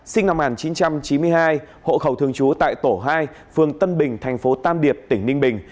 sinh năm một nghìn chín trăm chín mươi hai hộ khẩu thường trú tại tổ hai phường tân bình thành phố tam điệp tỉnh ninh bình